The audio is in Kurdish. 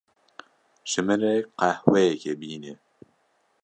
Ji min re qehweyekê bîne.